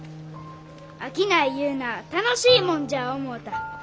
商いいうなあ楽しいもんじゃ思うた。